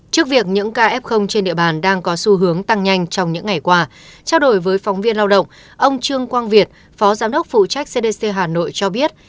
trước việc những ca f trên địa bàn đang có xu hướng tăng nhanh trong những ngày qua trao đổi với phóng viên lao động ông trương quang việt phó giám đốc phụ trách cdc hà nội cho biết